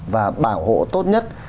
và bảo hộ tốt nhất